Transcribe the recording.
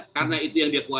karena itu yang dipercaya